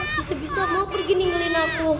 bisa bisa mau pergi ningelin aku